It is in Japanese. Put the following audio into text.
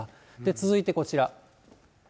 続いてこちら。